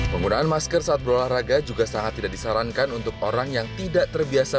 penggunaan masker saat berolahraga juga sangat tidak disarankan untuk orang yang tidak terbiasa